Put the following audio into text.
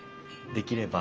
できれば。